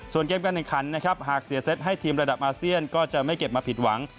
ส่วนเกมการแข่งขันนะครับหากเสียเซตให้ทีมระดับอาเซียนก็จะไม่เก็บมาผิดหวัง